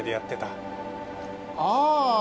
ああ！